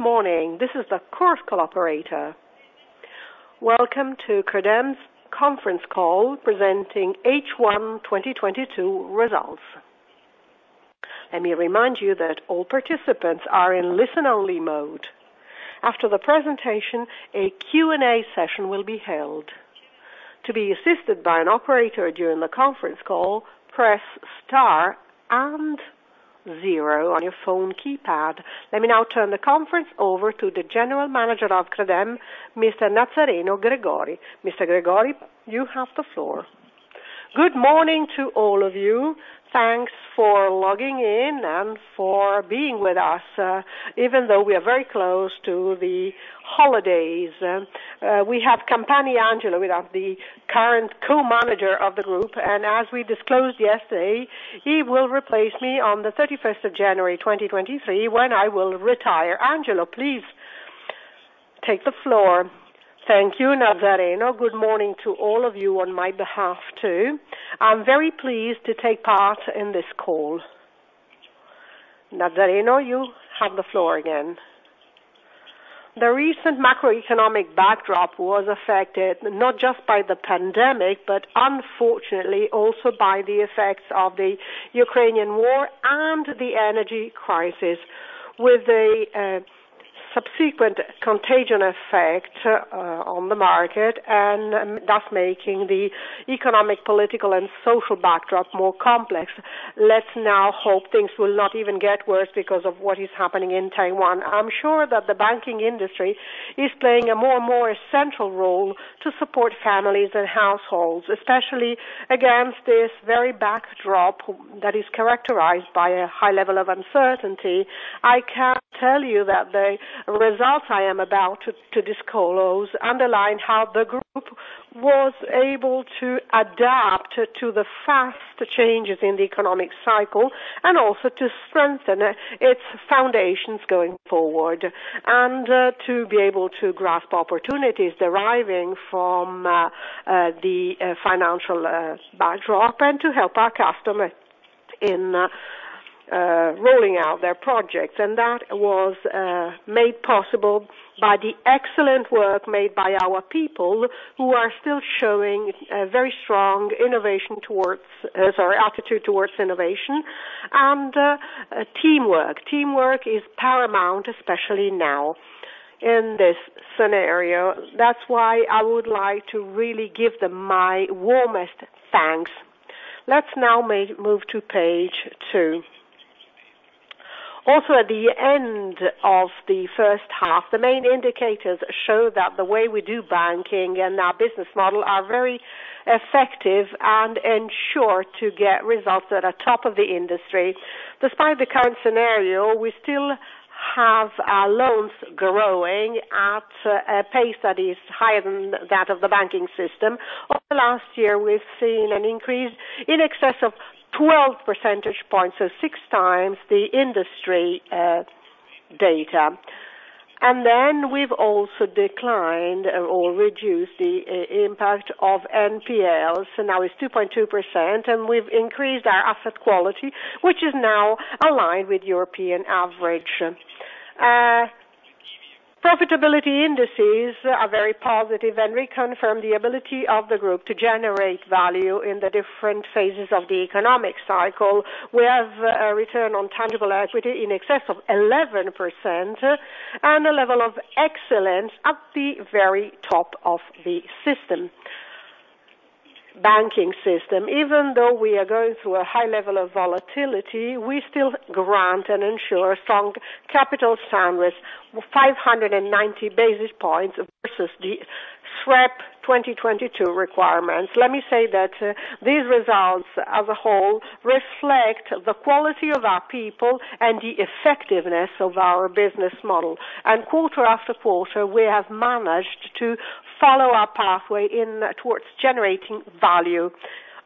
Good morning. This is the Chorus Call operator. Welcome to Credem's conference call presenting H1 2022 results. Let me remind you that all participants are in listen-only mode. After the presentation, a Q&A session will be held. To be assisted by an operator during the conference call, press star and zero on your phone keypad. Let me now turn the conference over to the General Manager of Credem, Mr. Nazzareno Gregori. Mr. Gregori, you have the floor. Good morning to all of you. Thanks for logging in and for being with us, even though we are very close to the holidays. We have Angelo Campani with us, the current co-manager of the group, and as we disclosed yesterday, he will replace me on the 31st of January, 2023, when I will retire. Angelo, please take the floor. Thank you, Nazzareno. Good morning to all of you on my behalf, too. I'm very pleased to take part in this call. Nazzareno, you have the floor again. The recent macroeconomic backdrop was affected not just by the pandemic, but unfortunately also by the effects of the Ukrainian war and the energy crisis, with a subsequent contagion effect on the market, and thus making the economic, political, and social backdrop more complex. Let's now hope things will not even get worse because of what is happening in Taiwan. I'm sure that the banking industry is playing a more and more essential role to support families and households, especially against this very backdrop that is characterized by a high level of uncertainty. I can tell you that the results I am about to to disclose underline how the group was able to adapt to the fast changes in the economic cycle and also to strengthen its foundations going forward, and to be able to grasp opportunities deriving from the financial backdrop and to help our customers in rolling out their projects. That was made possible by the excellent work made by our people who are still showing a very strong attitude towards innovation and teamwork. Teamwork is paramount, especially now in this scenario. That's why I would like to really give them my warmest thanks. Let's now move to page two. Also at the end of the first half, the main indicators show that the way we do banking and our business model are very effective and ensure to get results that are top of the industry. Despite the current scenario, we still have our loans growing at a pace that is higher than that of the banking system. Over last year, we've seen an increase in excess of 12 percentage points, so six times the industry data. We've also declined or reduced the impact of NPLs, and now it's 2.2%, and we've increased our asset quality, which is now aligned with European average. Profitability indices are very positive and reconfirm the ability of the group to generate value in the different phases of the economic cycle. We have a return on tangible equity in excess of 11% and a level of excellence at the very top of the system, banking system. Even though we are going through a high level of volatility, we still grant and ensure strong capital standards, 590 basis points versus the SREP 2022 requirements. Let me say that these results as a whole reflect the quality of our people and the effectiveness of our business model. Quarter after quarter, we have managed to follow our pathway in towards generating value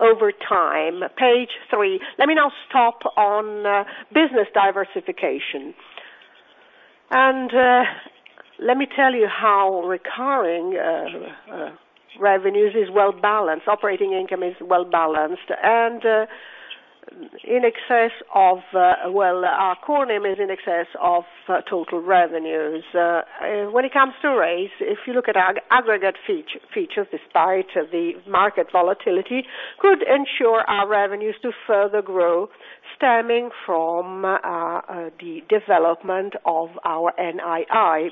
over time. Page three. Let me now stop on business diversification. Let me tell you how recurring revenues is well-balanced, operating income is well-balanced and in excess of well, our core NIM is in excess of total revenues. When it comes to rates, if you look at aggregate features, despite the market volatility, could ensure our revenues to further grow stemming from the development of our NII.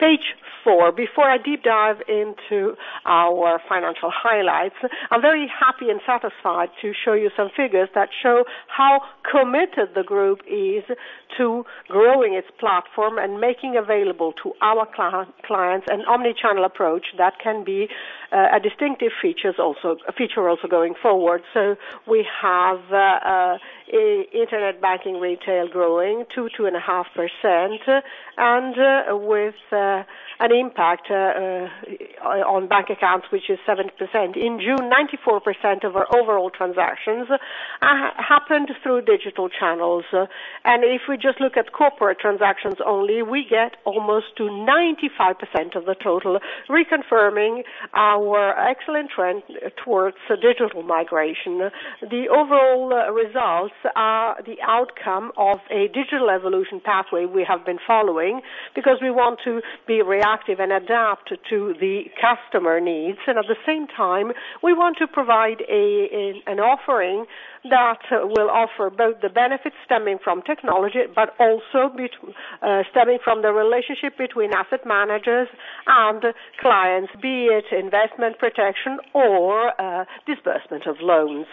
Page four. Before I deep dive into our financial highlights, I'm very happy and satisfied to show you some figures that show how committed the group is to growing its platform and making available to our clients an omni-channel approach that can be a distinctive feature also going forward. We have Internet banking retail growing 2.5%, and with an impact on bank accounts, which is 70%. In June, 94% of our overall transactions happened through digital channels. If we just look at corporate transactions only, we get almost to 95% of the total, reconfirming our excellent trend towards digital migration. The overall results are the outcome of a digital evolution pathway we have been following, because we want to be reactive and adapt to the customer needs. At the same time, we want to provide an offering that will offer both the benefits stemming from technology, stemming from the relationship between asset managers and clients, be it investment protection or disbursement of loans.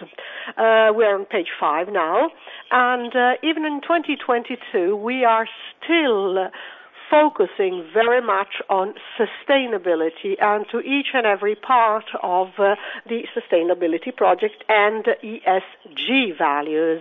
We're on page five now. Even in 2022, we are still focusing very much on sustainability and to each and every part of the sustainability project and ESG values.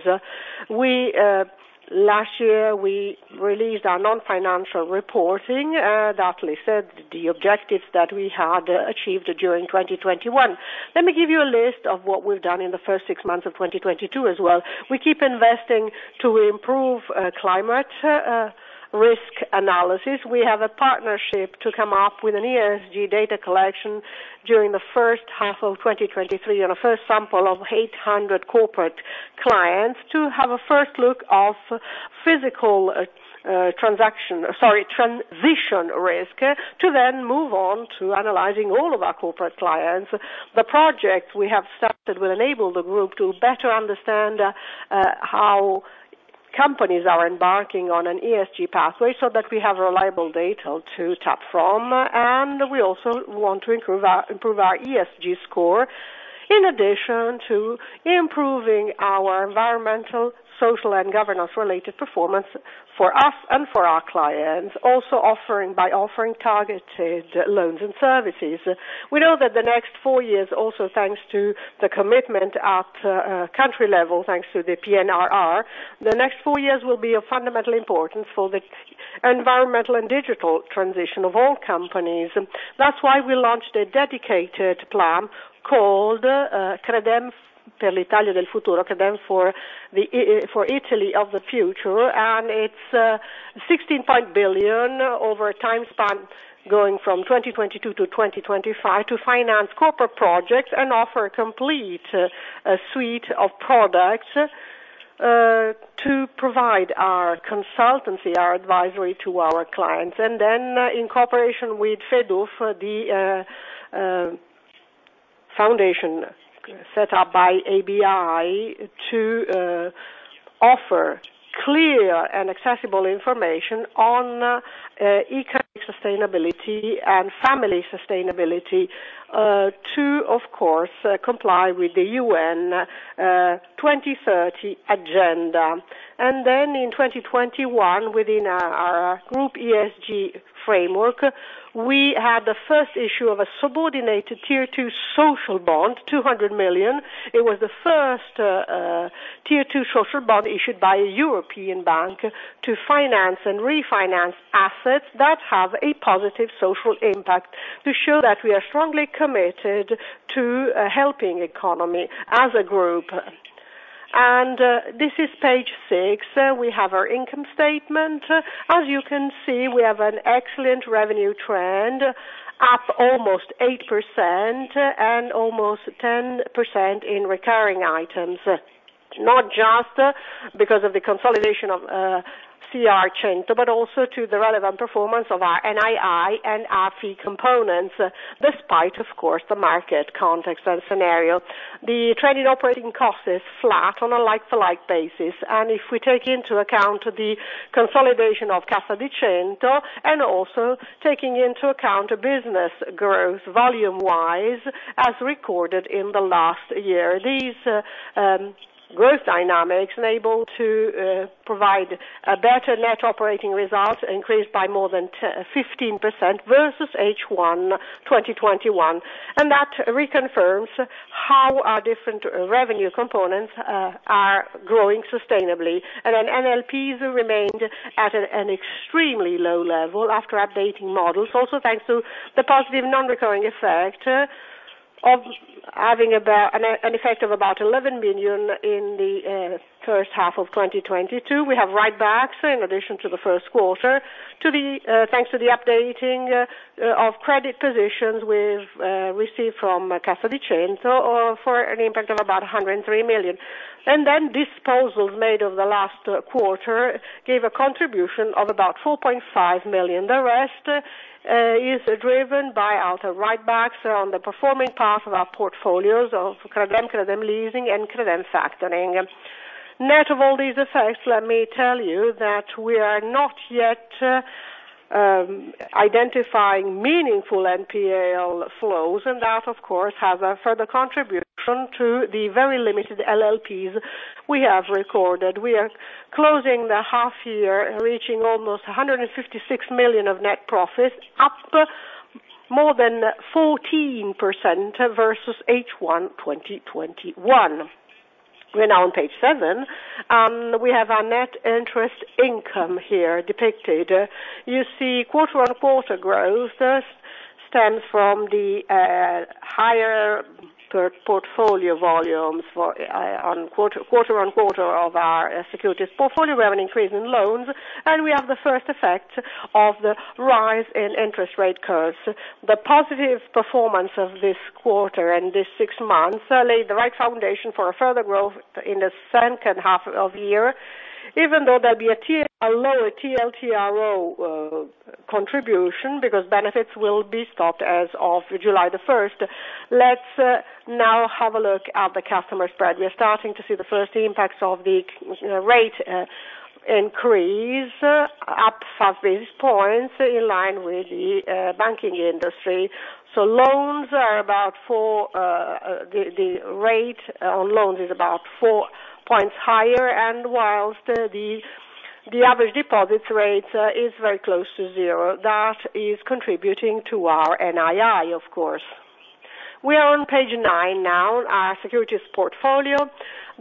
Last year, we released our non-financial reporting that listed the objectives that we had achieved during 2021. Let me give you a list of what we've done in the first six months of 2022 as well. We keep investing to improve climate risk analysis. We have a partnership to come up with an ESG data collection during the first half of 2023 on a first sample of 800 corporate clients to have a first look of physical transition risk, to then move on to analyzing all of our corporate clients. The project we have started will enable the group to better understand how companies are embarking on an ESG pathway so that we have reliable data to tap from. We also want to improve our ESG score, in addition to improving our environmental, social, and governance-related performance for us and for our clients, by offering targeted loans and services. We know that the next four years, also thanks to the commitment at country level, thanks to the PNRR, the next four years will be of fundamental importance for the environmental and digital transition of all companies. That's why we launched a dedicated plan called Credem per l'Italia del futuro, Credem for Italy of the Future. It's 16 billion over a time span going from 2022 to 2025 to finance corporate projects and offer a complete suite of products to provide our consultancy, our advisory to our clients. Then in cooperation with FEduF, the foundation set up by ABI to offer clear and accessible information on eco-sustainability and financial sustainability, to, of course, comply with the UN 2030 agenda. In 2021, within our group ESG framework, we had the first issue of a subordinated Tier 2 social bond, 200 million. It was the first tier two social bond issued by a European bank to finance and refinance assets that have a positive social impact to show that we are strongly committed to helping the economy as a group. This is page six. We have our income statement. As you can see, we have an excellent revenue trend, up almost 8% and almost 10% in recurring items, not just because of the consolidation of Caricento, but also to the relevant performance of our NII and our fee components, despite, of course, the market context and scenario. The trending operating cost is flat on a like-for-like basis, and if we take into account the consolidation of Cassa di Cento and also taking into account business growth volume-wise as recorded in the last year. These growth dynamics enable to provide a better net operating result increased by more than 10%-15% versus H1 2021. That reconfirms how our different revenue components are growing sustainably. Then NPLs remained at an extremely low level after updating models, also thanks to the positive non-recurring effect of having an effect of about 11 million in the first half of 2022. We have write-backs in addition to the first quarter thanks to the updating of credit positions we've received from Cassa di Cento for an impact of about 103 million. Disposals made over the last quarter gave a contribution of about 4.5 million. The rest is driven by other write-backs on the performing part of our portfolios of Credem Leasing, and Credem Factoring. Net of all these effects, let me tell you that we are not yet identifying meaningful NPL flows, and that of course has a further contribution to the very limited LLPs we have recorded. We are closing the half year reaching almost 156 million of net profit, up more than 14% versus H1 2021. We're now on page seven. We have our net interest income here depicted. You see quarter-on-quarter growth. This stems from the higher portfolio volumes quarter-on-quarter of our securities portfolio. We have an increase in loans, and we have the first effect of the rise in interest rate curves. The positive performance of this quarter and this six months lays the right foundation for a further growth in the second half of the year, even though there'll be a lower TLTRO contribution because benefits will be stopped as of July 1st. Let's now have a look at the customer spread. We are starting to see the first impacts of the rate increase up 50 points in line with the banking industry. So loans are about four, the rate on loans is about 4 points higher, and while the average deposits rate is very close to zero, that is contributing to our NII, of course. We are on page nine now. Our securities portfolio.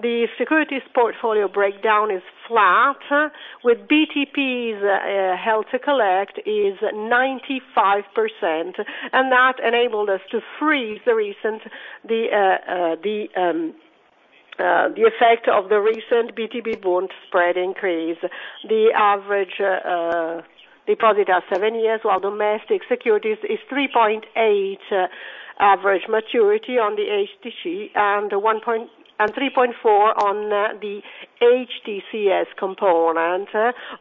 The securities portfolio breakdown is flat with BTPs held to collect is 95%, and that enabled us to freeze the effect of the recent BTP bond spread increase. The average duration at seven years, while domestic securities is 3.8 average maturity on the HTC and 3.4 on the HTCS component.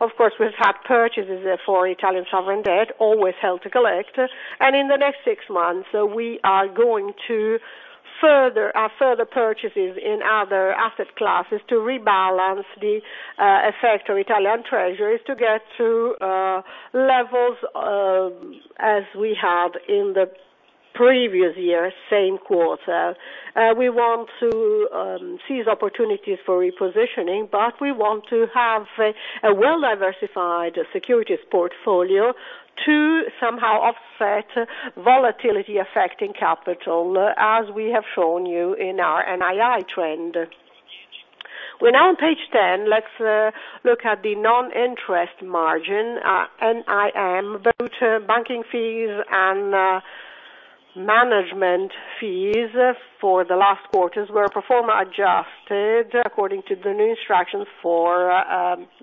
Of course, we've had purchases for Italian sovereign debt always held to collect. In the next six months, we are going to further our purchases in other asset classes to rebalance the effect of Italian treasuries to get to levels as we had in the previous year, same quarter. We want to seize opportunities for repositioning, but we want to have a well-diversified securities portfolio to somehow offset volatility affecting capital, as we have shown you in our NII trend. We're now on page 10. Let's look at the net interest margin, NIM. Both banking fees and management fees for the last quarters were pro forma adjusted according to the new instructions for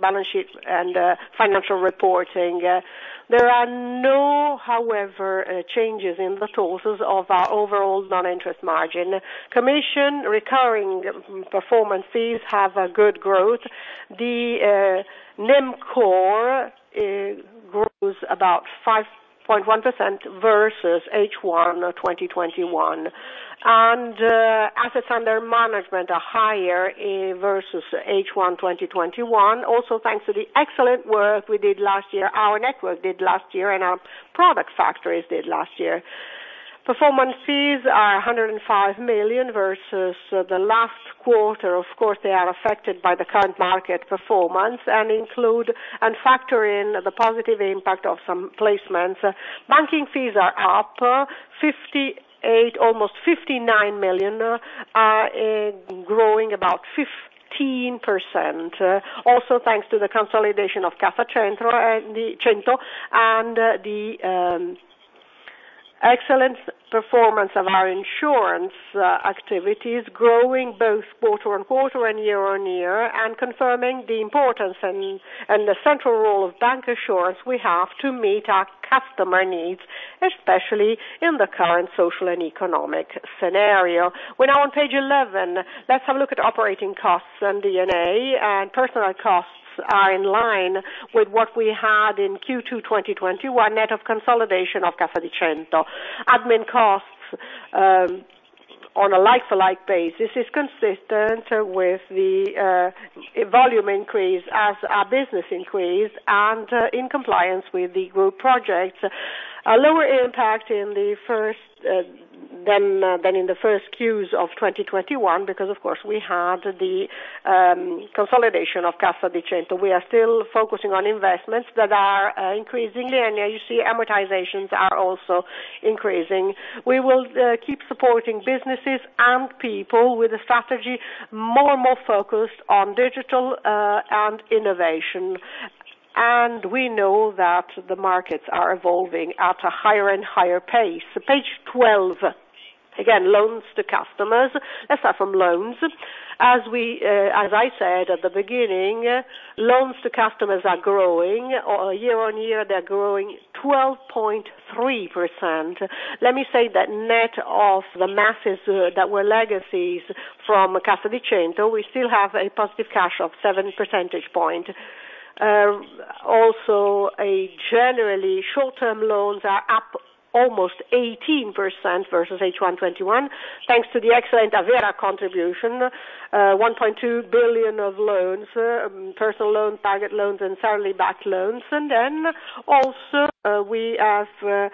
balance sheets and financial reporting. There are no, however, changes in the totals of our overall net interest margin. Commission recurring performance fees have a good growth. The NIM core grows about 5.1% versus H1 2021. Assets under management are higher versus H1 2021, also thanks to the excellent work we did last year, our network did last year, and our product factories did last year. Performance fees are 105 million versus the last quarter. Of course, they are affected by the current market performance and include and factor in the positive impact of some placements. Banking fees are up 58 million, almost 59 million, growing about 15%, also thanks to the consolidation of Cassa di Cento and the excellent performance of our insurance activities, growing both quarter-on-quarter and year-on-year and confirming the importance and the central role of bank insurance we have to meet our customer needs, especially in the current social and economic scenario. We're now on page 11. Let's have a look at operating costs and D&A. Personnel costs are in line with what we had in Q2 2021, net of consolidation of Cassa di Cento. Admin costs on a like-for-like basis is consistent with the volume increase as our business increased and in compliance with the group projects. A lower impact in the first than in the first Qs of 2021 because of course we had the consolidation of Cassa di Cento. We are still focusing on investments that are increasing, and you see amortizations are also increasing. We will keep supporting businesses and people with a strategy more and more focused on digital and innovation. We know that the markets are evolving at a higher and higher pace. Page 12. Again, loans to customers. Let's start from loans. As I said at the beginning, loans to customers are growing. Year-on-year, they are growing 12.3%. Let me say that net of the masses that were legacies from Cassa di Cento, we still have a positive cash of 7 percentage point. Also generally short-term loans are up almost 18% versus H1 2021 thanks to the excellent Avvera contribution, 1.2 billion of loans, personal loans, target loans and third-party backed loans. We have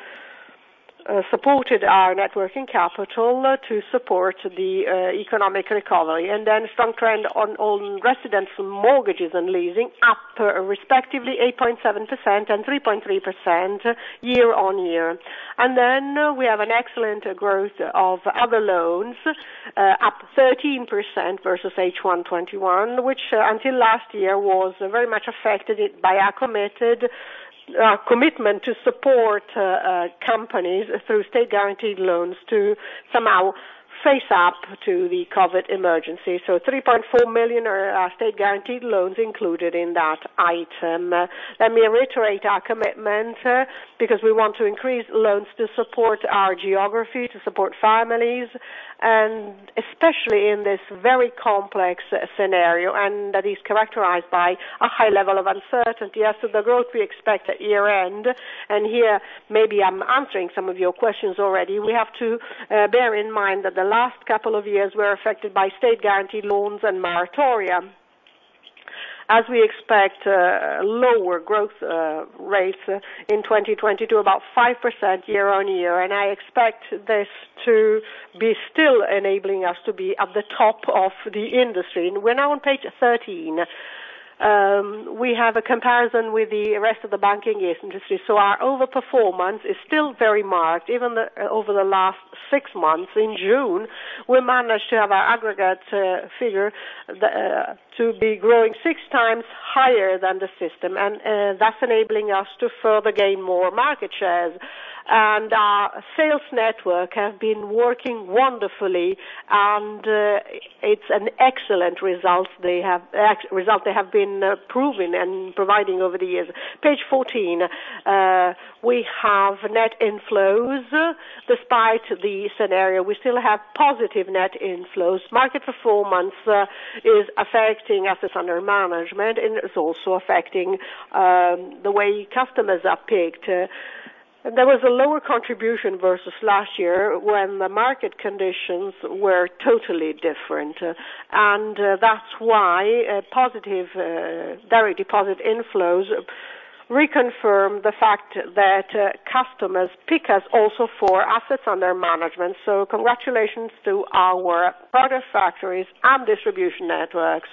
supported our net working capital to support the economic recovery, and then strong trend on residential mortgages and leasing up, respectively 8.7% and 3.3% year-on-year. We have an excellent growth of other loans, up 13% versus H1 2021, which until last year was very much affected by our commitment to support companies through state guaranteed loans to somehow face up to the COVID emergency. 3.4 million are state guaranteed loans included in that item. Let me reiterate our commitment, because we want to increase loans to support our geography, to support families, and especially in this very complex scenario, and that is characterized by a high level of uncertainty as to the growth we expect at year-end. Here, maybe I'm answering some of your questions already. We have to bear in mind that the last couple of years were affected by state guaranteed loans and moratoria, as we expect lower growth rates in 2020 to about 5% year-on-year. I expect this to be still enabling us to be at the top of the industry. When we're on page 13, we have a comparison with the rest of the banking industry, so our overperformance is still very marked even over the last six months. In June, we managed to have our aggregate figure to be growing six times higher than the system, and that's enabling us to further gain more market shares. Our sales network have been working wonderfully, and it's an excellent result they have been proving and providing over the years. Page 14, we have net inflows. Despite the scenario, we still have positive net inflows. Market performance is affecting assets under management, and it's also affecting the way customers are picked. There was a lower contribution versus last year when the market conditions were totally different, and that's why a positive direct deposit inflows reconfirm the fact that customers pick us also for assets under management. Congratulations to our product factories and distribution networks.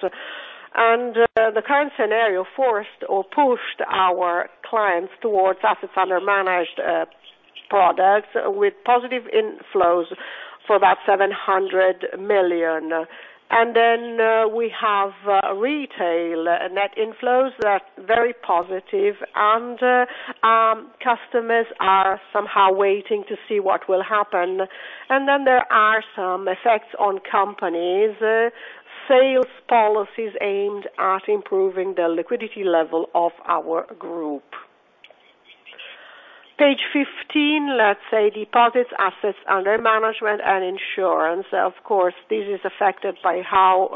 The current scenario forced or pushed our clients towards assets under management products with positive inflows for about 700 million. We have retail net inflows that are very positive and customers are somehow waiting to see what will happen. There are some effects on companies' sales policies aimed at improving the liquidity level of our group. Page 15, let's say deposits, assets under management and insurance. Of course, this is affected by how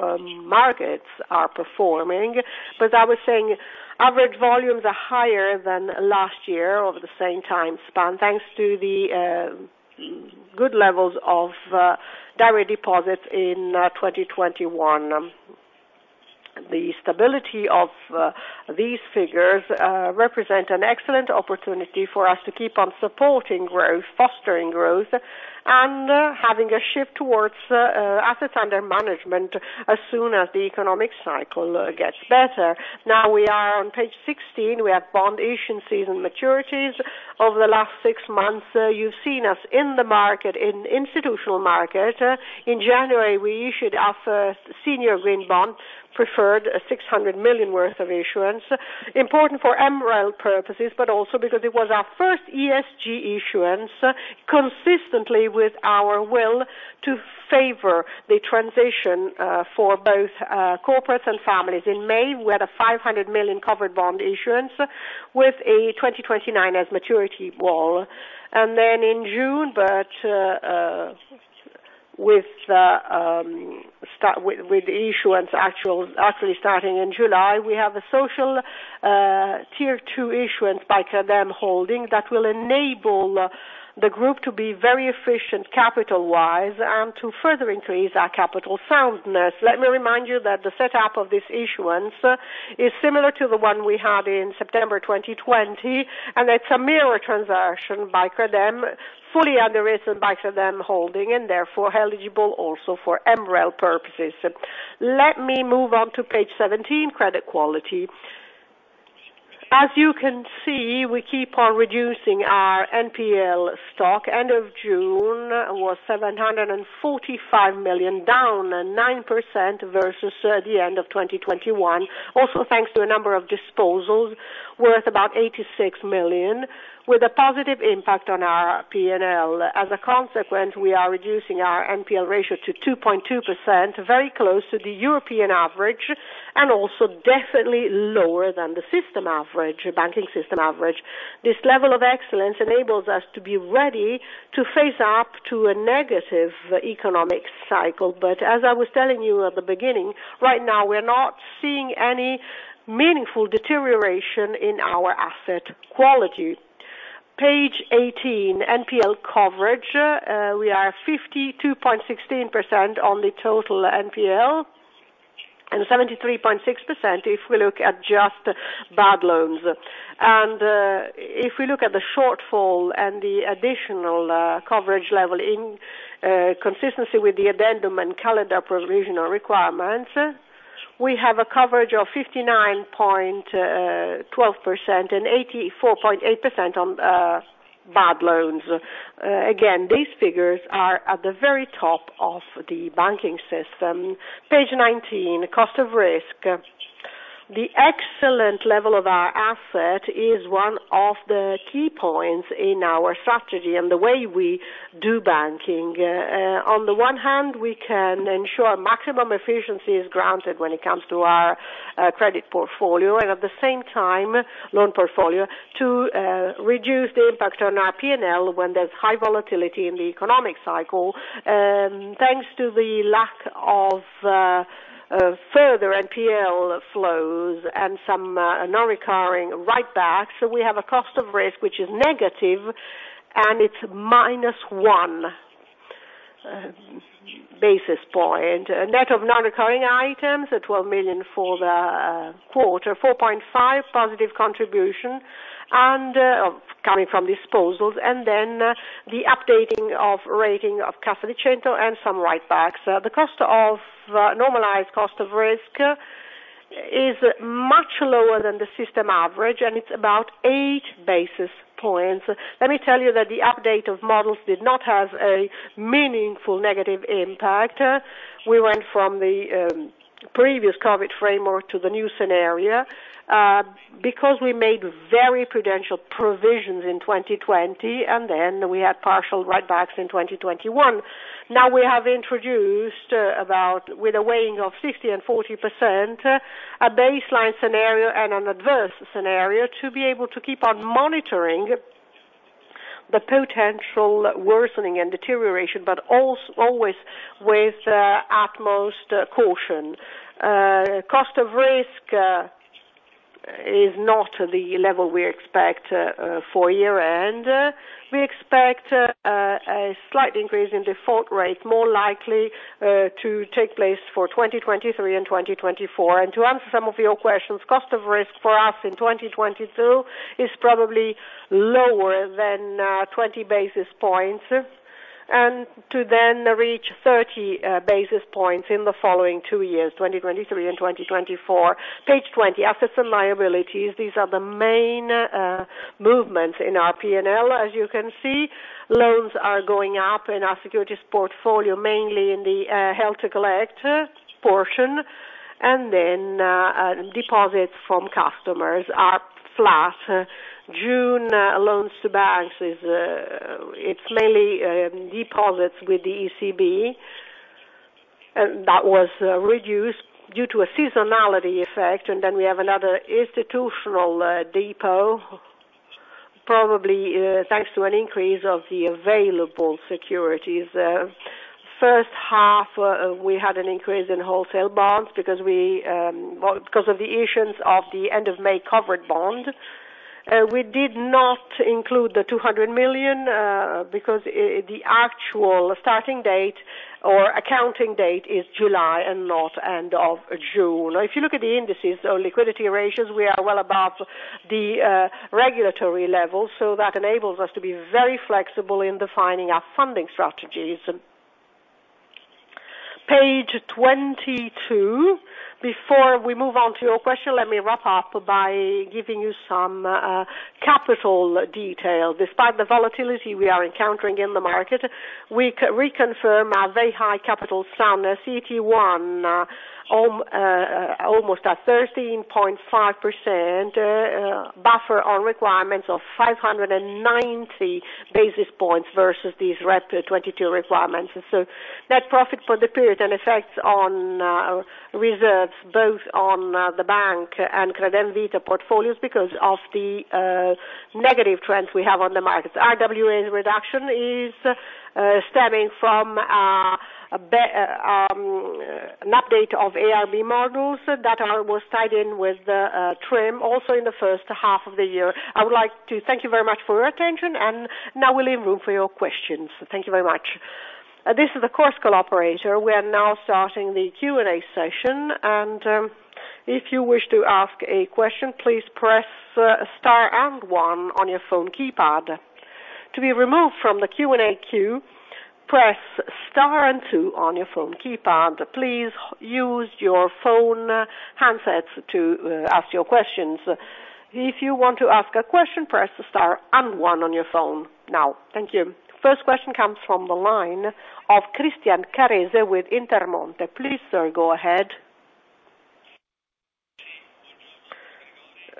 markets are performing. I was saying average volumes are higher than last year over the same time span, thanks to the good levels of direct deposits in 2021. The stability of these figures represent an excellent opportunity for us to keep on supporting growth, fostering growth, and having a shift towards assets under management as soon as the economic cycle gets better. Now we are on page 16. We have bond issuances and maturities over the last six months. You've seen us in the market, in institutional market. In January, we issued our first Green Senior Preferred bond 600 million worth of issuance, important for MREL purposes, but also because it was our first ESG issuance, consistently with our will to favor the transition, for both corporates and families. In May, we had a 500 million Covered Bond issuance with a 2029 maturity. In June, with the issuance actually starting in July, we have a social Tier 2 issuance by Credemholding that will enable the group to be very efficient capital-wise and to further increase our capital soundness. Let me remind you that the setup of this issuance is similar to the one we had in September 2020, and it's a mirror transaction by Credem, fully underwritten by Credemholding and therefore eligible also for MREL purposes. Let me move on to page 17, credit quality. As you can see, we keep on reducing our NPL stock. End of June was 745 million, down 9% versus the end of 2021, also thanks to a number of disposals worth about 86 million, with a positive impact on our P&L. As a consequence, we are reducing our NPL ratio to 2.2%, very close to the European average and also definitely lower than the system average, banking system average. This level of excellence enables us to be ready to face up to a negative economic cycle. As I was telling you at the beginning, right now we're not seeing any meaningful deterioration in our asset quality. Page 18, NPL coverage. We are 52.16% on the total NPL. 73.6% if we look at just bad loans. If we look at the shortfall and the additional coverage level in consistency with the addendum and capital provisional requirements, we have a coverage of 59.12% and 84.8% on bad loans. Again, these figures are at the very top of the banking system. Page 19, cost of risk. The excellent level of our asset is one of the key points in our strategy and the way we do banking. On the one hand, we can ensure maximum efficiency is granted when it comes to our credit portfolio and at the same time, loan portfolio, to reduce the impact on our P&L when there's high volatility in the economic cycle. Thanks to the lack of further NPL flows and some non-recurring write-backs, we have a cost of risk which is negative, and it's -1 basis point. Net of non-recurring items, 12 million for the quarter, 4.5 positive contribution, and coming from disposals, and then the updating of rating of Cassa di Cento and some write-backs. The normalized cost of risk is much lower than the system average, and it's about 8 basis points. Let me tell you that the update of models did not have a meaningful negative impact. We went from the previous COVID framework to the new scenario, because we made very prudential provisions in 2020, and then we had partial write-backs in 2021. We have introduced, with a weighting of 50% and 40%, a baseline scenario and an adverse scenario to be able to keep on monitoring the potential worsening and deterioration, but always with utmost caution. Cost of risk is not the level we expect for year-end. We expect a slight increase in default rate more likely to take place for 2023 and 2024. To answer some of your questions, cost of risk for us in 2022 is probably lower than 20 basis points, and to then reach 30 basis points in the following two years, 2023 and 2024. Page 20, assets and liabilities. These are the main movements in our P&L. As you can see, loans are going up in our securities portfolio, mainly in the held-to-collect portion, and then deposits from customers are flat. June loans to banks is mainly deposits with the ECB, and that was reduced due to a seasonality effect. Then we have another institutional deposit, probably, thanks to an increase of the available securities. First half, we had an increase in wholesale bonds because of the issuance of the end-of-May Covered Bond. We did not include the 200 million because the actual starting date or accounting date is July and not end of June. If you look at the indices or liquidity ratios, we are well above the regulatory level, so that enables us to be very flexible in defining our funding strategies. Page 22. Before we move on to your question, let me wrap up by giving you some capital detail. Despite the volatility we are encountering in the market, we reconfirm our very high capital sum, CET1, almost 13.5% buffer on requirements of 590 basis points versus the 2022 requirements. Net profit for the period and effects on reserves, both on the bank and Credemvita portfolios because of the negative trends we have on the markets. RWA reduction is stemming from an update of IRB models that was tied in with the TRIM also in the first half of the year. I would like to thank you very much for your attention, and now we leave room for your questions. Thank you very much. This is the Chorus Call operator. We are now starting the Q&A session. If you wish to ask a question, please press star and one on your phone keypad. To be removed from the Q&A queue, press star and two on your phone keypad. Please use your phone handsets to ask your questions. If you want to ask a question, press star and one on your phone now. Thank you. First question comes from the line of Christian Carrese with Intermonte. Please, sir, go ahead.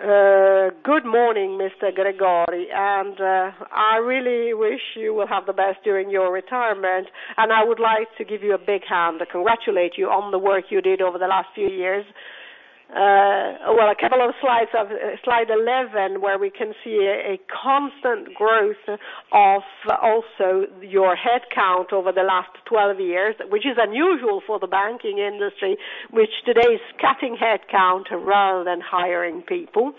Good morning, Mr. Gregori. I really wish you will have the best during your retirement. I would like to give you a big hand to congratulate you on the work you did over the last few years. Well, a couple of slides of slide 11, where we can see a constant growth of also your headcount over the last 12 years, which is unusual for the banking industry, which today is cutting headcount rather than hiring people.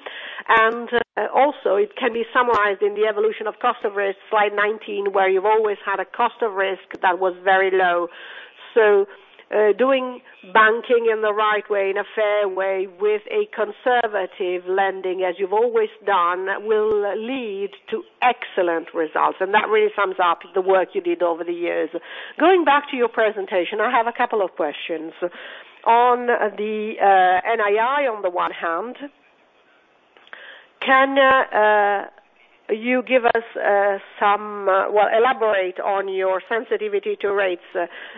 Also it can be summarized in the evolution of cost of risk, slide 19, where you've always had a cost of risk that was very low. Doing banking in the right way, in a fair way, with a conservative lending, as you've always done, will lead to excellent results. That really sums up the work you did over the years. Going back to your presentation, I have a couple of questions. On the NII on the one hand. Well, elaborate on your sensitivity to rates,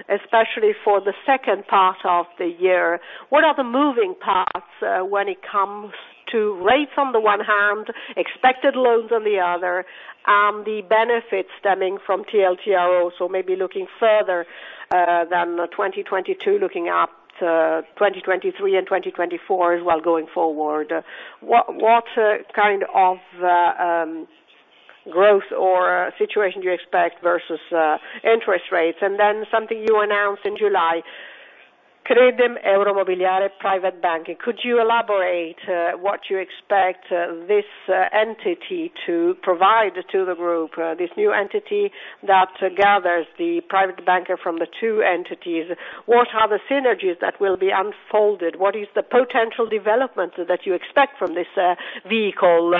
especially for the second part of the year. What are the moving parts when it comes to rates on the one hand, expected loans on the other, and the benefits stemming from TLTRO? Maybe looking further than 2022, looking up to 2023 and 2024 as well going forward. What kind of growth or situation do you expect versus interest rates? Then something you announced in July, Credem Euromobiliare Private Banking. Could you elaborate what you expect this entity to provide to the group, this new entity that gathers the private banker from the two entities? What are the synergies that will be unfolded? What is the potential development that you expect from this vehicle?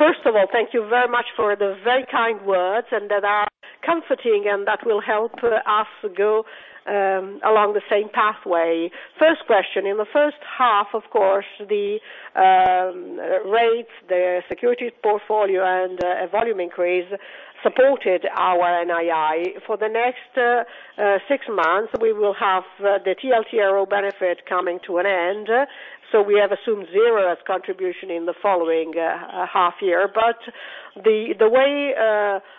First of all, thank you very much for the very kind words, and that are comforting and that will help us go along the same pathway. First question. In the first half, of course, the rates, the securities portfolio and volume increase supported our NII. For the next six months, we will have the TLTRO benefit coming to an end, so we have assumed zero as contribution in the following half year. The way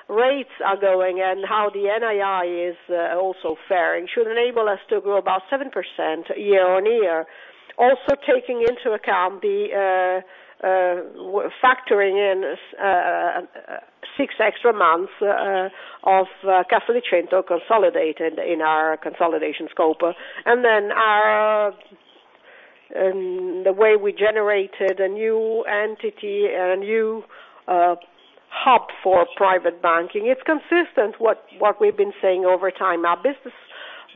rates are going and how the NII is also faring should enable us to grow about 7% year-on-year. Also taking into account factoring in six extra months of Caricento consolidated in our consolidation scope. The way we generated a new entity and a new hub for private banking, it's consistent what we've been saying over time. Our business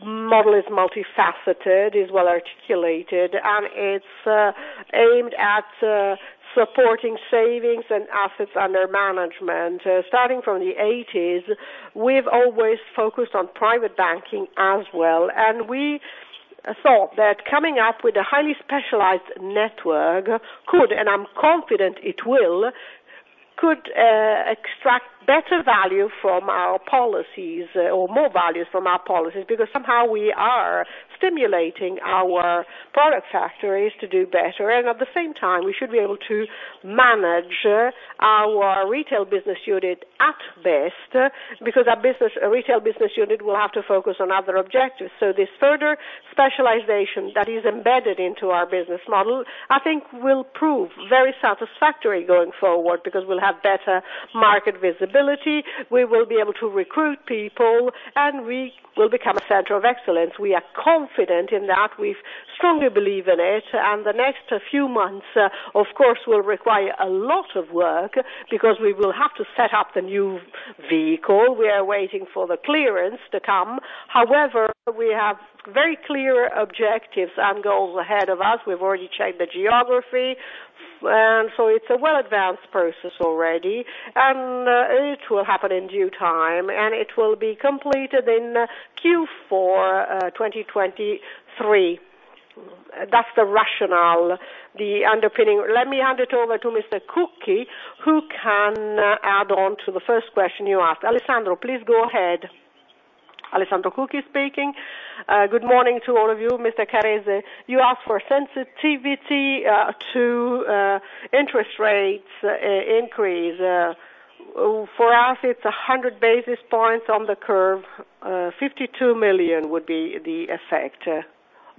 model is multifaceted, is well articulated, and it's aimed at supporting savings and assets under management. Starting from the eighties, we've always focused on private banking as well. We thought that coming up with a highly specialized network could, and I'm confident it will, extract better value from our policies or more values from our policies, because somehow we are stimulating our product factories to do better. At the same time, we should be able to manage our retail business unit at best, because our business, retail business unit will have to focus on other objectives. This further specialization that is embedded into our business model, I think will prove very satisfactory going forward, because we'll have better market visibility, we will be able to recruit people, and we will become a center of excellence. We are confident in that. We strongly believe in it. The next few months, of course, will require a lot of work because we will have to set up the new vehicle. We are waiting for the clearance to come. However, we have very clear objectives and goals ahead of us. We've already checked the geography, so it's a well advanced process already, and it will happen in due time, and it will be completed in Q4 2023. That's the rationale, the underpinning. Let me hand it over to Mr. Cucchi, who can add on to the first question you asked. Alessandro, please go ahead. Alessandro Cucchi speaking. Good morning to all of you. Mr. Carrese, you asked for sensitivity to interest rates increase. For us, it's 100 basis points on the curve. 52 million would be the effect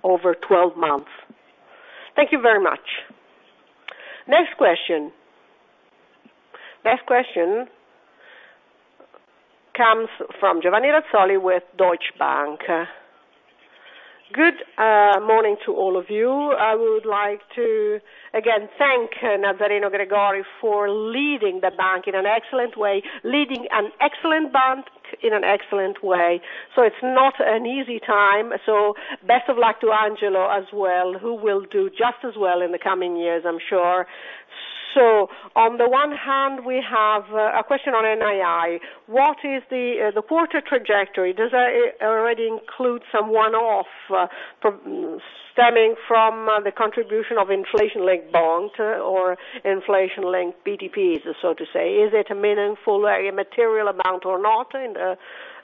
over 12 months. Thank you very much. Next question. Next question comes from Giovanni Razzoli with Deutsche Bank. Good morning to all of you. I would like to again thank Nazzareno Gregori for leading the bank in an excellent way, leading an excellent bank in an excellent way. It's not an easy time. Best of luck to Angelo as well, who will do just as well in the coming years, I'm sure. On the one hand, we have a question on NII. What is the quarter trajectory? Does that already include some one-off stemming from the contribution of inflation-linked bonds or inflation-linked BTPs, so to say? Is it a meaningful material amount or not in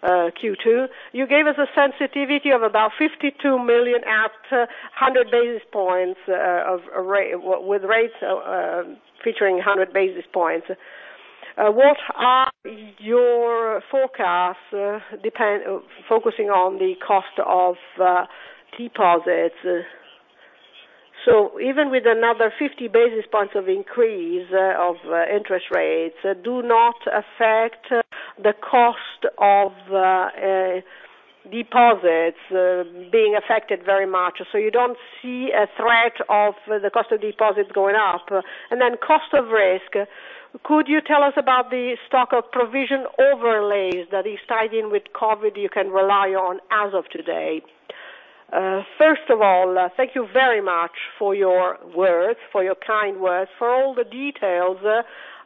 Q2? You gave us a sensitivity of about 52 million at 100 basis points with rates featuring 100 basis points. What are your forecasts focusing on the cost of deposits? So even with another 50 basis points of increase of interest rates do not affect the cost of deposits being affected very much, so you don't see a threat of the cost of deposits going up. Cost of risk, could you tell us about the stock of provision overlays that is tied in with COVID you can rely on as of today? First of all, thank you very much for your words, for your kind words, for all the details.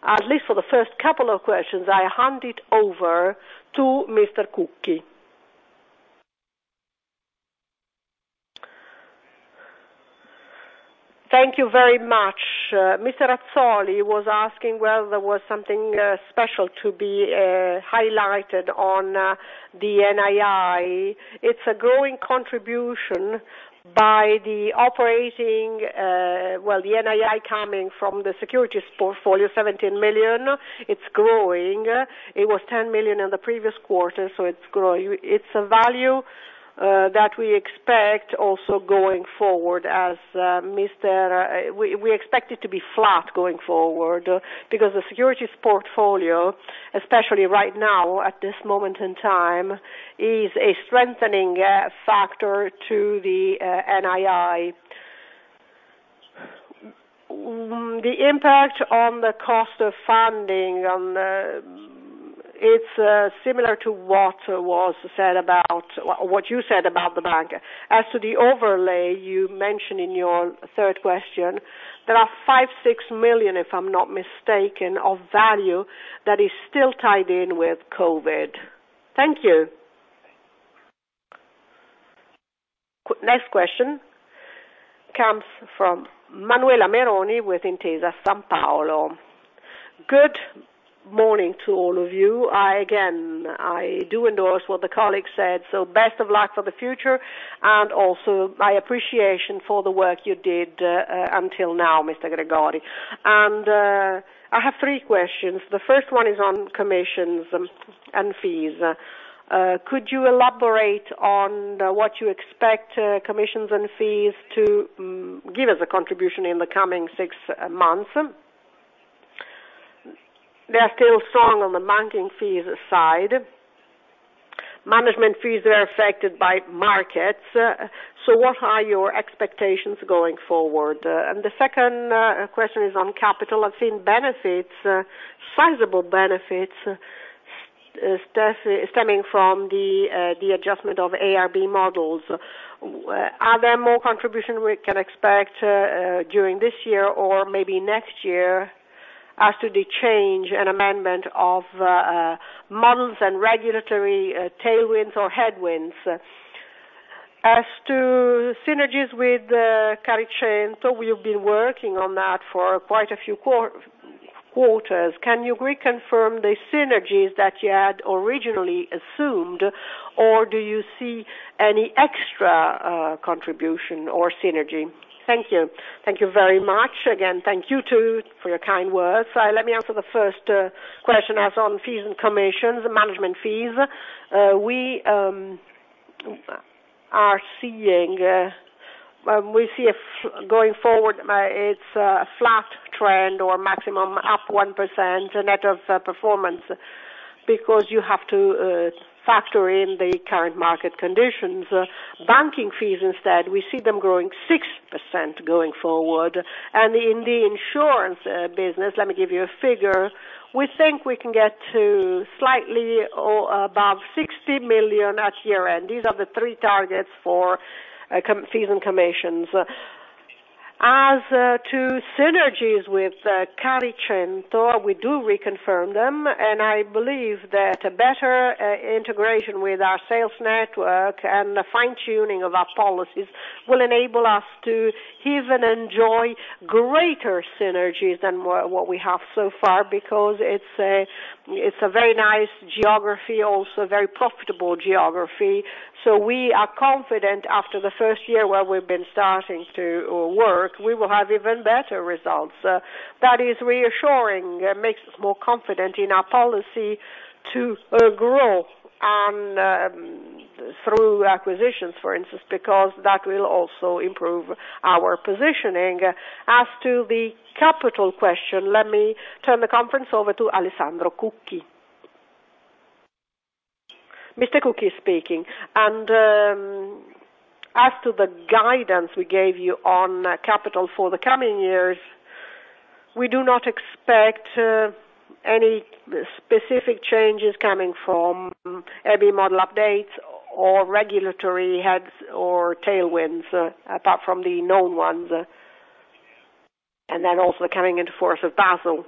At least for the first couple of questions, I hand it over to Mr. Cucchi. Thank you very much. Mr. Razzoli was asking whether there was something special to be highlighted on the NII. It's a growing contribution by the operating, the NII coming from the securities portfolio, 17 million, it's growing. It was 10 million in the previous quarter, so it's growing. It's a value that we expect also going forward. We expect it to be flat going forward because the securities portfolio, especially right now at this moment in time, is a strengthening factor to the NII. The impact on the cost of funding, it's similar to what was said about what you said about the bank. As to the overlay you mentioned in your third question, there are 5 million-6 million, if I'm not mistaken, of value that is still tied in with COVID. Thank you. Next question comes from Manuela Meroni with Intesa Sanpaolo. Good morning to all of you. I again, I do endorse what the colleague said, so best of luck for the future and also my appreciation for the work you did until now, Mr. Gregori. I have three questions. The first one is on commissions and fees. Could you elaborate on what you expect commissions and fees to give as a contribution in the coming six months? They are still strong on the banking fees side. Management fees are affected by markets. What are your expectations going forward? The second question is on capital. I've seen benefits, sizable benefits, stemming from the adjustment of IRB models. Are there more contribution we can expect during this year or maybe next year after the change and amendment of models and regulatory tailwinds or headwinds? As to synergies with Caricento, we have been working on that for quite a few quarters. Can you reconfirm the synergies that you had originally assumed, or do you see any extra contribution or synergy? Thank you. Thank you very much. Again, thank you, too, for your kind words. Let me answer the first question as on fees and commissions, management fees. We see going forward, it's a flat trend or maximum up 1% net of performance because you have to factor in the current market conditions. Banking fees, instead, we see them growing 6% going forward. In the insurance business, let me give you a figure, we think we can get to slightly above 60 million at year-end. These are the three targets for fees and commissions. As to synergies with Caricento, we do reconfirm them, and I believe that a better integration with our sales network and the fine-tuning of our policies will enable us to even enjoy greater synergies than what we have so far because it's a very nice geography, also very profitable geography. We are confident after the first year where we've been starting to work, we will have even better results. That is reassuring. It makes us more confident in our policy to grow and through acquisitions, for instance, because that will also improve our positioning. As to the capital question, let me turn the conference over to Alessandro Cucchi. Mr. Cucchi speaking. As to the guidance we gave you on capital for the coming years, we do not expect any specific changes coming from IRB model updates or regulatory headwinds or tailwinds, apart from the known ones, and then also coming into force of Basel.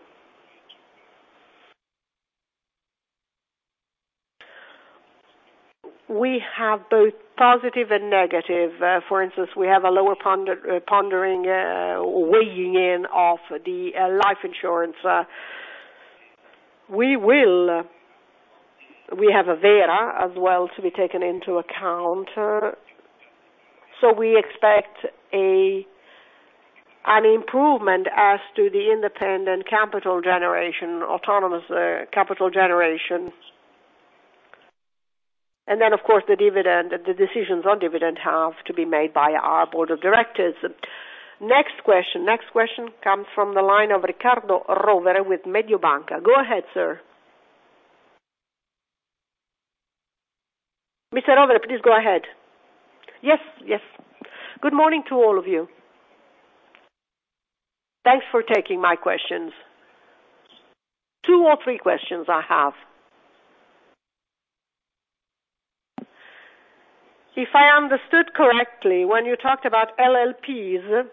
We have both positive and negative. For instance, we have a lower pondering weighing in of the life insurance. We will, we have Avvera as well to be taken into account. We expect a, an improvement as to the independent capital generation, autonomous capital generation. Of course, the dividend, the decisions on dividend have to be made by our board of directors. Next question comes from the line of Riccardo Rovere with Mediobanca. Go ahead, sir. Mr. Rovere, please go ahead. Yes, yes. Good morning to all of you. Thanks for taking my questions. Two or three questions I have. If I understood correctly when you talked about LLPs,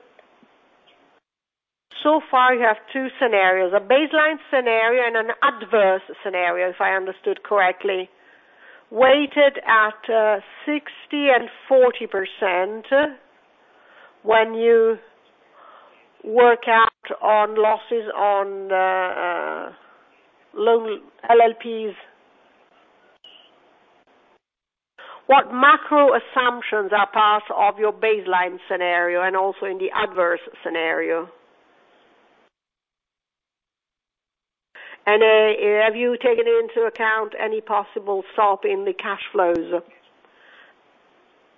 so far you have two scenarios, a baseline scenario and an adverse scenario, if I understood correctly, weighted at 60% and 40% when you work out on losses on LLPs. What macro assumptions are part of your baseline scenario and also in the adverse scenario? Have you taken into account any possible stop in the cash flows?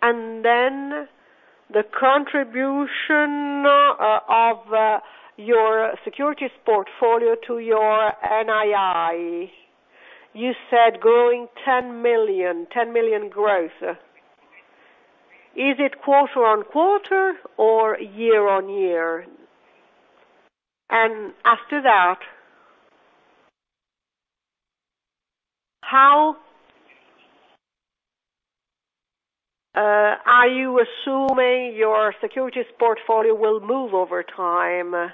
Then the contribution of your securities portfolio to your NII, you said growing 10 million growth. Is it quarter-on-quarter or year-on-year? After that, how are you assuming your securities portfolio will move over time?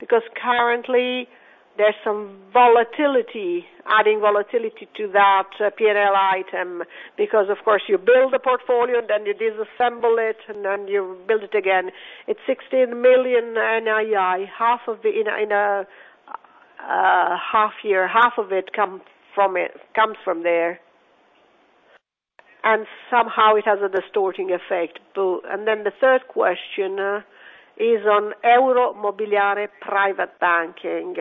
Because currently there's some volatility, adding volatility to that P&L item because of course you build a portfolio, then you disassemble it, and then you build it again. It's 16 million NII, half of it in a half year, half of it comes from there. Somehow it has a distorting effect too. Then the third question is on Euromobiliare Private Banking.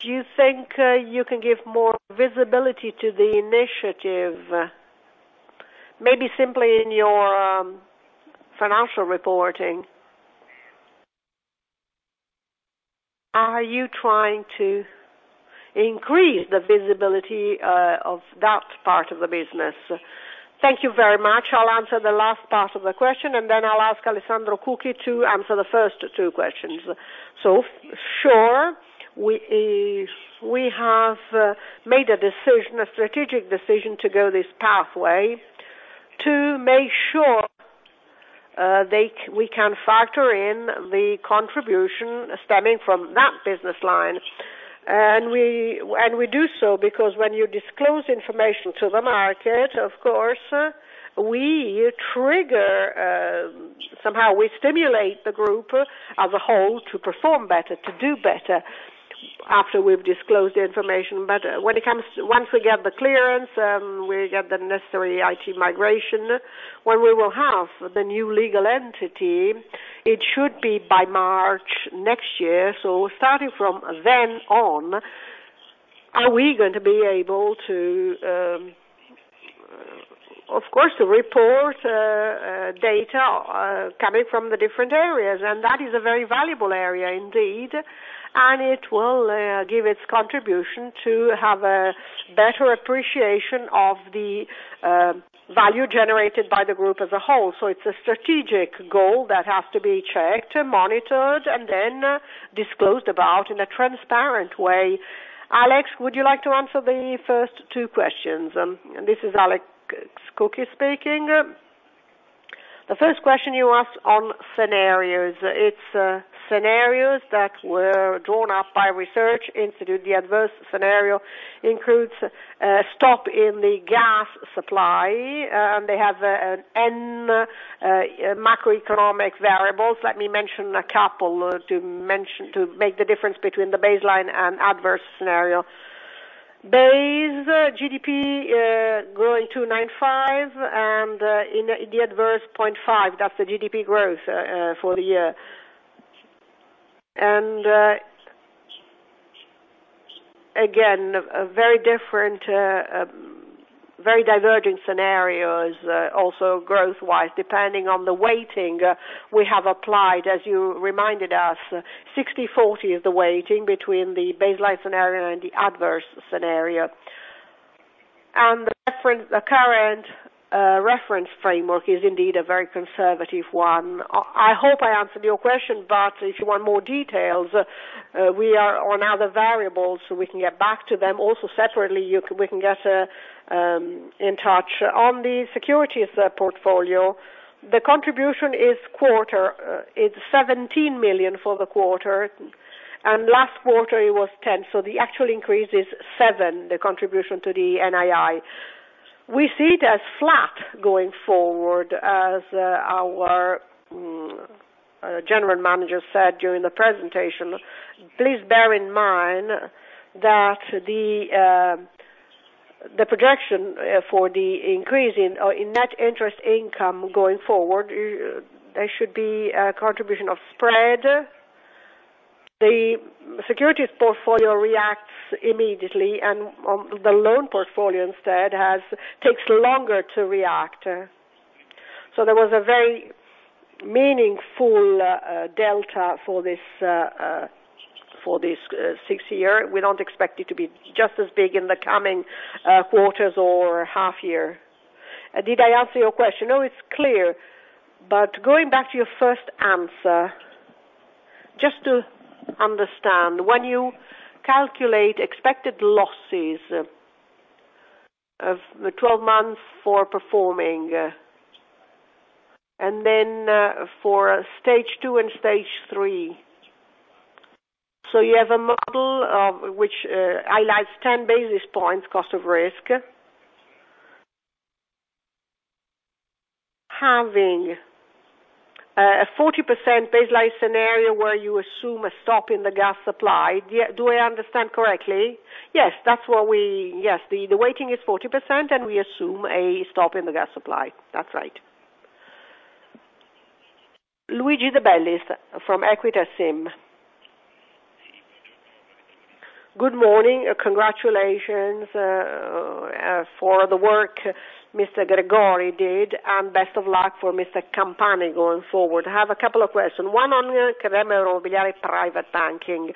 Do you think you can give more visibility to the initiative, maybe simply in your financial reporting? Are you trying to increase the visibility of that part of the business? Thank you very much. I'll answer the last part of the question, and then I'll ask Alessandro Cucchi to answer the first two questions. Sure, we have made a decision, a strategic decision to go this pathway to make sure we can factor in the contribution stemming from that business line. We do so because when you disclose information to the market, of course, we trigger somehow we stimulate the group as a whole to perform better, to do better after we've disclosed the information. When it comes, once we get the clearance, we get the necessary IT migration, when we will have the new legal entity, it should be by March next year. Starting from then on, we are going to be able to, of course, report data coming from the different areas, and that is a very valuable area indeed, and it will give its contribution to have a better appreciation of the value generated by the group as a whole. It's a strategic goal that has to be checked and monitored and then disclosed about in a transparent way. Alex, would you like to answer the first two questions? This is Alessandro Cucchi speaking. The first question you asked on scenarios. It's scenarios that were drawn up by research institute. The adverse scenario includes a stop in the gas supply, and they have a number of macroeconomic variables. Let me mention a couple to make the difference between the baseline and adverse scenario. Base GDP growing 2.95%, and in the adverse, 0.5%, that's the GDP growth for the year. Again, a very different, very divergent scenarios, also growth-wise, depending on the weighting we have applied, as you reminded us, 60-40 is the weighting between the baseline scenario and the adverse scenario. The current reference framework is indeed a very conservative one. I hope I answered your question, but if you want more details, we are on other variables, so we can get back to them. Also separately, you, we can get in touch. On the securities portfolio, the contribution is quarter. It's 17 million for the quarter, and last quarter it was 10 million, so the actual increase is 7 million, the contribution to the NII. We see it as flat going forward, as our general manager said during the presentation. Please bear in mind that the projection for the increase in net interest income going forward, there should be a contribution of spread. The securities portfolio reacts immediately, and on the loan portfolio instead takes longer to react. There was a very meaningful delta for this six year. We don't expect it to be just as big in the coming quarters or half year. Did I answer your question? No, it's clear. But going back to your first answer, just to understand, when you calculate expected losses of the 12 months for performing, and then for stage two and stage three, so you have a model which highlights 10 basis points cost of risk. Having a 40% baseline scenario where you assume a stop in the gas supply. Do I understand correctly? Yes, that's what we. Yes, the weighting is 40%, and we assume a stop in the gas supply. That's right. Luigi de Bellis from Equita SIM. Good morning. Congratulations for the work Mr. Gregori did, and best of luck for Mr. Campani going forward. I have a couple of questions. One on Credem Euromobiliare Private Banking.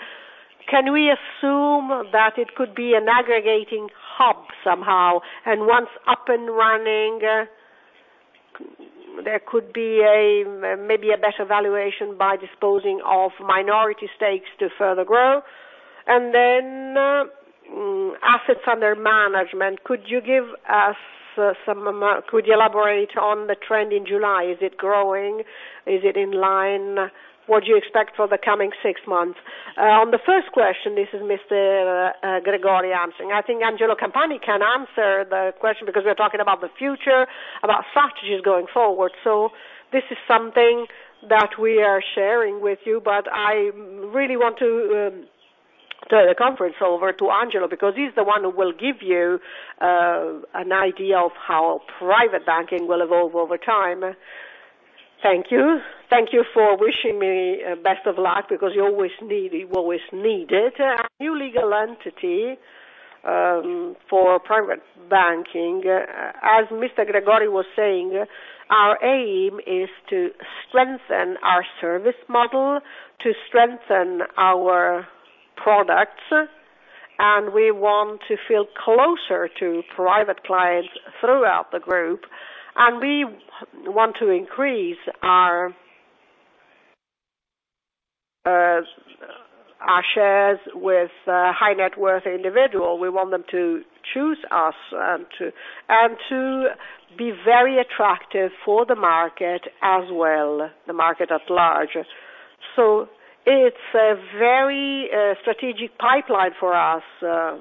Can we assume that it could be an aggregating hub somehow, and once up and running there could be a, maybe a better valuation by disposing of minority stakes to further grow? And then, assets under management, could you elaborate on the trend in July? Is it growing? Is it in line? What do you expect for the coming six months? On the first question, this is Mr. Gregori answering. I think Angelo Campani can answer the question because we are talking about the future, about strategies going forward. So this is something that we are sharing with you, but I really want to turn the conference over to Angelo because he's the one who will give you an idea of how private banking will evolve over time. Thank you. Thank you for wishing me best of luck because you always need it. A new legal entity for private banking. As Mr. Gregori was saying, our aim is to strengthen our service model, to strengthen our products, and we want to feel closer to private clients throughout the group, and we want to increase our shares with high net worth individual. We want them to choose us and to be very attractive for the market as well, the market at large. It's a very strategic pipeline for us, and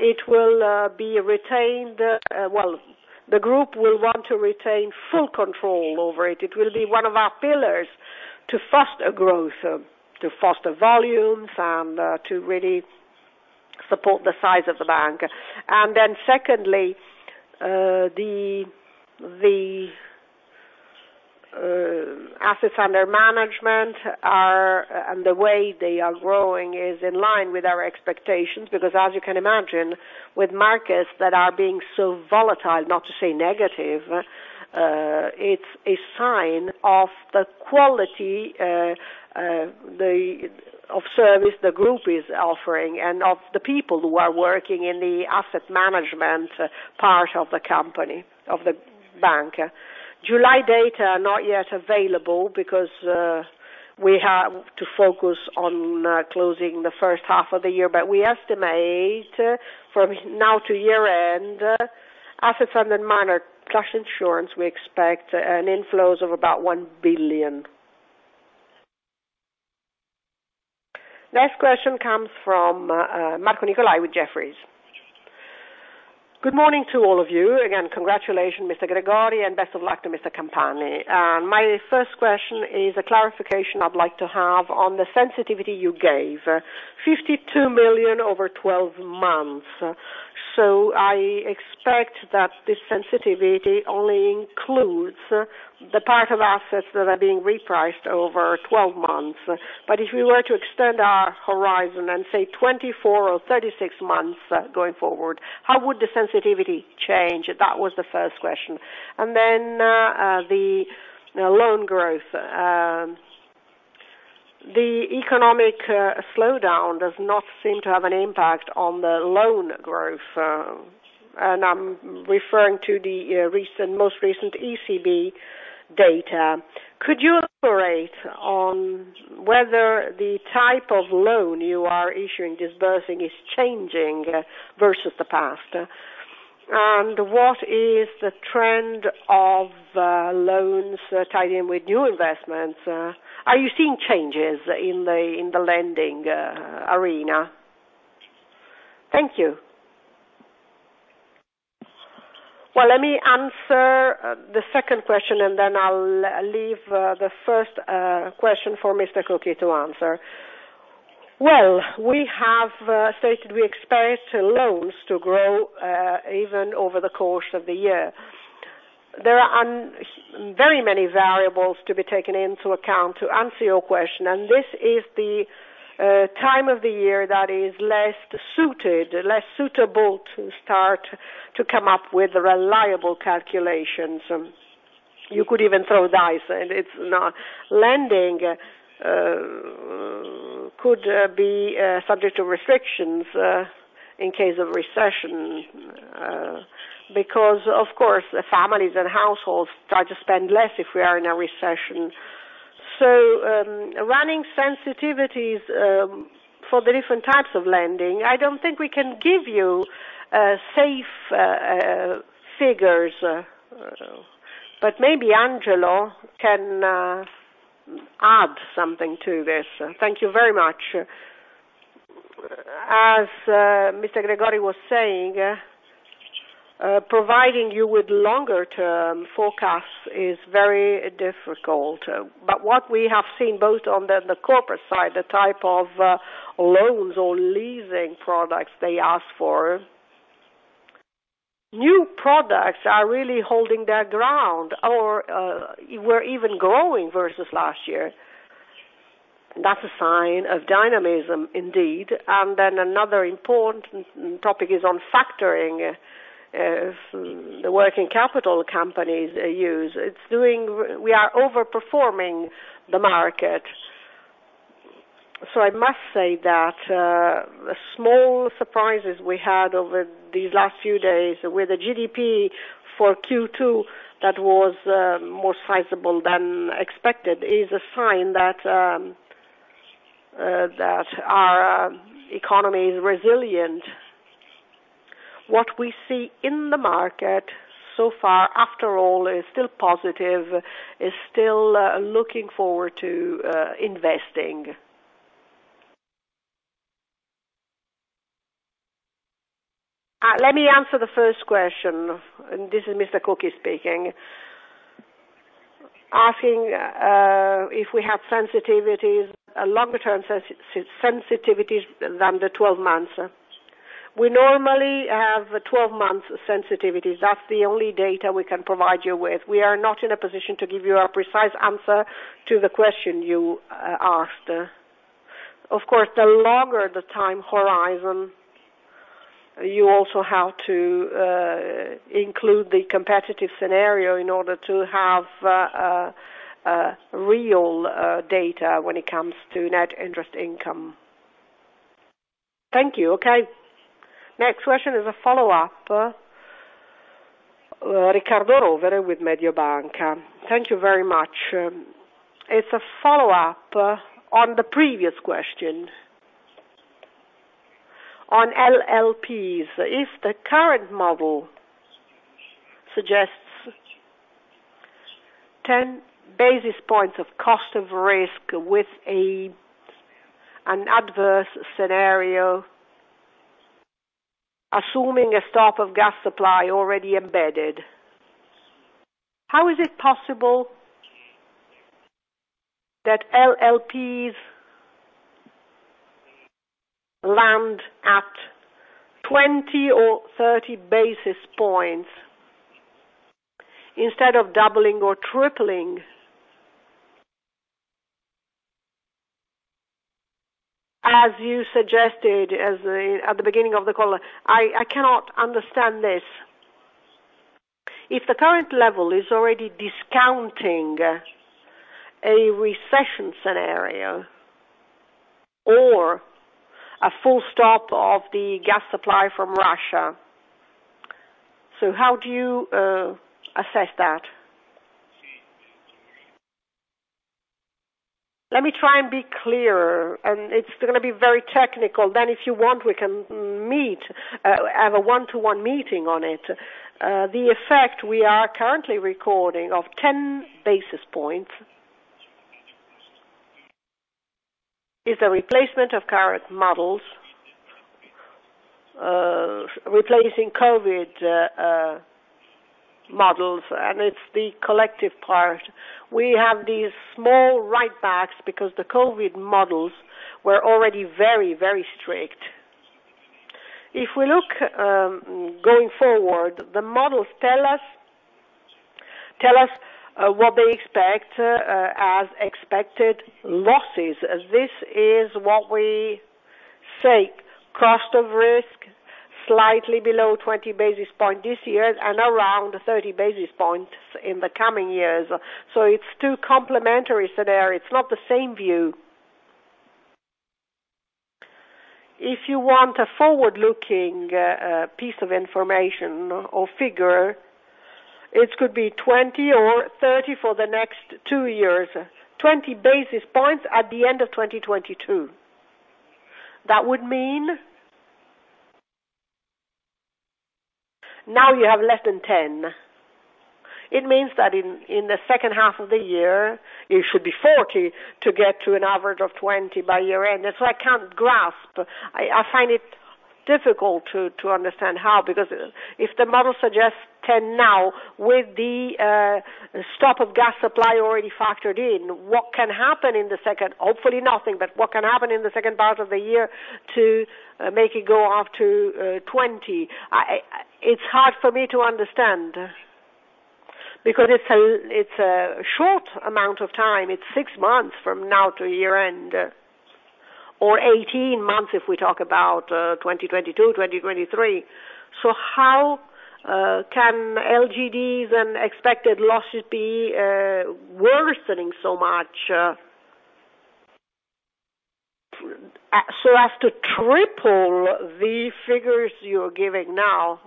it will be retained well, the group will want to retain full control over it. It will be one of our pillars to foster growth, to foster volumes, and to really support the size of the bank. Secondly, the assets under management are, and the way they are growing is in line with our expectations. Because as you can imagine with markets that are being so volatile, not to say negative, it's a sign of the quality of service the group is offering and of the people who are working in the asset management part of the company, of the bank. July data are not yet available because we have to focus on closing the first half of the year. We estimate from now to year-end, assets under management plus insurance, we expect inflows of about 1 billion. Next question comes from Marco Nicolai with Jefferies. Good morning to all of you. Again, congratulations, Mr. Gregori, and best of luck to Mr. Campani. My first question is a clarification I'd like to have on the sensitivity you gave. 52 million over 12 months. I expect that this sensitivity only includes the part of assets that are being repriced over 12 months. If we were to extend our horizon and say 24 or 36 months going forward, how would the sensitivity change? That was the first question. Then, the loan growth. The economic slowdown does not seem to have an impact on the loan growth, and I'm referring to the recent, most recent ECB data. Could you elaborate on whether the type of loan you are disbursing is changing versus the past? And what is the trend of, loans tied in with new investments? Are you seeing changes in the, in the lending, arena? Thank you. Well, let me answer the second question, and then I'll leave the first question for Mr. Cucchi to answer. Well, we have stated we expect loans to grow even over the course of the year. There are very many variables to be taken into account to answer your question, and this is the time of the year that is less suitable to start to come up with reliable calculations. You could even throw dice, and it's not. Lending could be subject to restrictions in case of recession because of course, the families and households try to spend less if we are in a recession. Running sensitivities for the different types of lending, I don't think we can give you safe figures. Maybe Angelo can add something to this. Thank you very much. As Mr. Gregori was saying, providing you with longer term forecasts is very difficult. What we have seen both on the corporate side, the type of loans or leasing products they ask for, new products are really holding their ground or we're even growing versus last year. That's a sign of dynamism indeed. Then another important topic is on factoring, the working capital companies use. We are overperforming the market. I must say that small surprises we had over these last few days with the GDP for Q2 that was more sizable than expected is a sign that our economy is resilient. What we see in the market so far, after all, is still positive, is still looking forward to investing. Let me answer the first question, and this is Mr. Cucchi speaking. Asking if we have sensitivities, longer-term sensitivities than the 12 months. We normally have 12-month sensitivities. That's the only data we can provide you with. We are not in a position to give you a precise answer to the question you asked. Of course, the longer the time horizon, you also have to include the competitive scenario in order to have a real data when it comes to net interest income. Thank you. Okay. Next question is a follow-up. Riccardo Rovere with Mediobanca. Thank you very much. It's a follow-up on the previous question. On LLPs, if the current model suggests 10 basis points of cost of risk with an adverse scenario, assuming a stop of gas supply already embedded, how is it possible that LLPs land at 20 or 30 basis points instead of doubling or tripling, as you suggested at the beginning of the call? I cannot understand this. If the current level is already discounting a recession scenario or a full stop of the gas supply from Russia. How do you assess that? Let me try and be clear, and it's gonna be very technical. If you want, we can meet, have a one-to-one meeting on it. The effect we are currently recording of 10 basis points is the replacement of current models, replacing COVID models, and it's the collective part. We have these small write-backs because the COVID models were already very, very strict. If we look going forward, the models tell us what they expect as expected losses. This is what we say, cost of risk, slightly below 20 basis points this year and around 30 basis points in the coming years. It's two complementary scenarios. It's not the same view. If you want a forward-looking piece of information or figure, it could be 20 or 30 for the next two years, 20 basis points at the end of 2022. That would mean. Now you have less than 10. It means that in the second half of the year, it should be 40 to get to an average of 20 by year-end. That's why I can't grasp. I find it odd. Difficult to understand how, because if the model suggests 10 now with the stop of gas supply already factored in, what can happen in the second? Hopefully nothing, but what can happen in the second part of the year to make it go up to 20. It's hard for me to understand because it's a short amount of time. It's six months from now to year end, or 18 months if we talk about 2022, 2023. So how can LGDs and expected losses be worsening so much? So as to triple the figures you're giving now,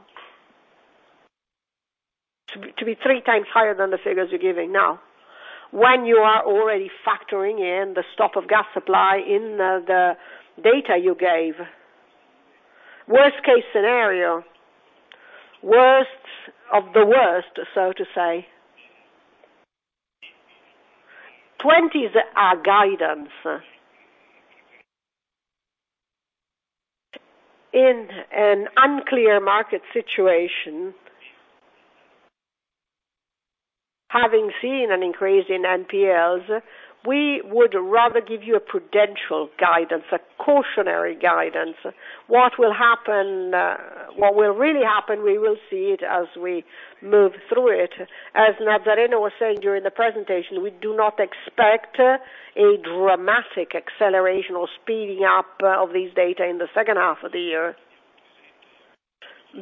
three times higher than the figures you're giving now, when you are already factoring in the stop of gas supply in the data you gave. Worst case scenario, worst of the worst, so to say. 20s are guidance. In an unclear market situation, having seen an increase in NPLs, we would rather give you a prudential guidance, a cautionary guidance. What will happen, what will really happen, we will see it as we move through it. As Nazzareno was saying during the presentation, we do not expect a dramatic acceleration or speeding up of these data in the second half of the year.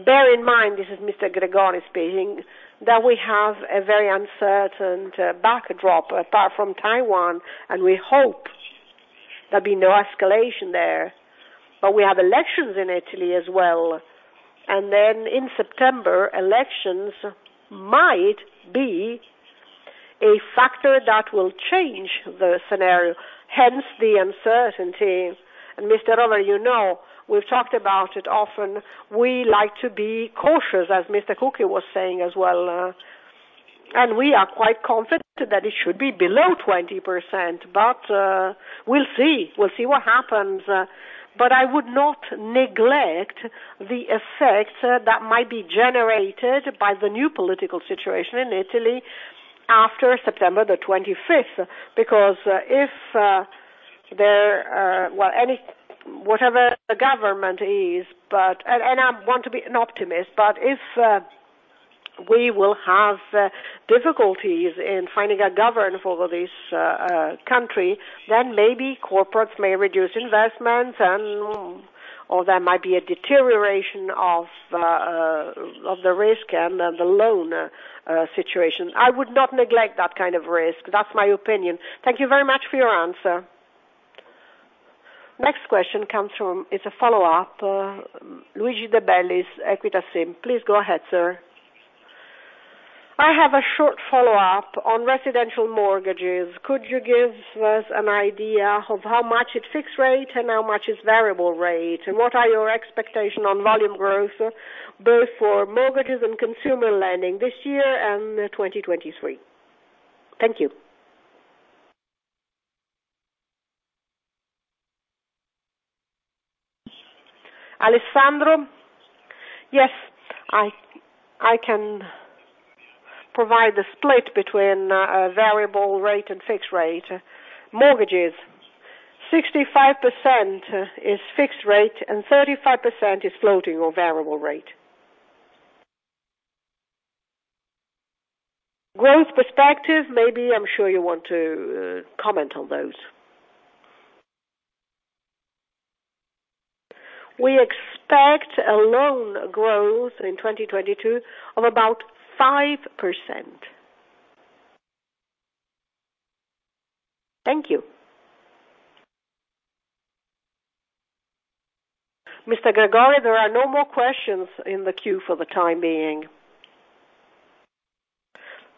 Bear in mind, this is Mr. Gregori speaking, that we have a very uncertain backdrop, apart from Taiwan, and we hope there'll be no escalation there. But we have elections in Italy as well, and then in September, elections might be a factor that will change the scenario, hence the uncertainty. Mr. Rovere, you know, we've talked about it often, we like to be cautious, as Mr. Cucchi was saying as well. We are quite confident that it should be below 20%, but we'll see. We'll see what happens. I would not neglect the effects that might be generated by the new political situation in Italy after September 25th. Because if there are any whatever the government is, but I want to be an optimist, but if we will have difficulties in finding a government for this country, then maybe corporates may reduce investments and or there might be a deterioration of the risk and the loan situation. I would not neglect that kind of risk. That's my opinion. Thank you very much for your answer. Next question comes from, it's a follow-up, Luigi De Bellis, Equita SIM. Please go ahead, sir. I have a short follow-up on residential mortgages. Could you give us an idea of how much is fixed rate and how much is variable rate? What are your expectation on volume growth both for mortgages and consumer lending this year and 2023? Thank you. Alessandro? Yes, I can provide the split between variable rate and fixed rate. Mortgages, 65% is fixed rate and 35% is floating or variable rate. Growth perspective, maybe I'm sure you want to comment on those. We expect a loan growth in 2022 of about 5%. Thank you. Mr. Gregori, there are no more questions in the queue for the time being.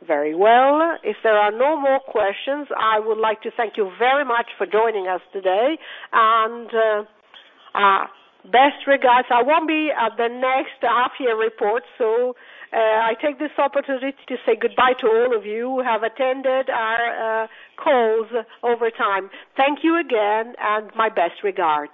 Very well. If there are no more questions, I would like to thank you very much for joining us today. Best regards. I won't be at the next half year report, so I take this opportunity to say goodbye to all of you who have attended our calls over time. Thank you again and my best regards.